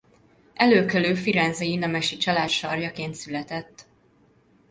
Előkelő firenzei nemesi család sarjaként született.